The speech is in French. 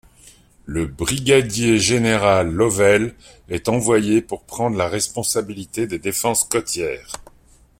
Le brigadier général Lowell est envoyé pour prendre la responsabilité des défenses côtières.